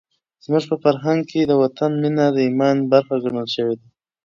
زموږ په فرهنګ کې د وطن مینه د ایمان برخه ګڼل شوې ده.